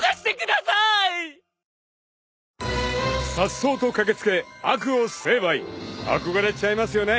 ［さっそうと駆け付け悪を成敗憧れちゃいますよね］